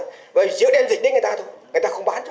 chỉ đem dịch đến người ta thôi người ta không bán cho